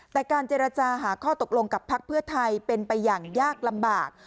แต่การเจรจาหาข้อตกลงกับพักเพื่อไทยเป็นไปอย่างยากลำบาก